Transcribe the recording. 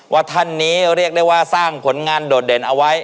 ว่าท่านนี้เรียกได้ว่าสร้างผลงานโดดเด่นเอาไว้